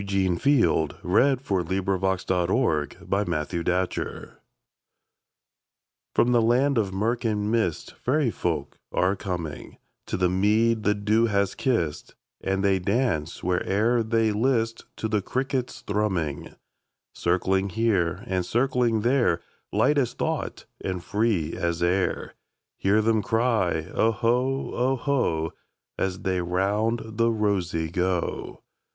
1861–1889 A Fairy Glee By Eugene Field (1850–1895) FROM the land of murk and mistFairy folk are comingTo the mead the dew has kissed, And they dance where'er they listTo the cricket's thrumming. Circling here and circling there, Light as thought and free as air, Hear them cry, "Oho, oho,"As they round the rosey go.